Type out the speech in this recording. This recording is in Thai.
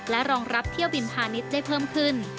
และรองรับเที่ยวบินพาณิชย์ได้เพิ่มขึ้น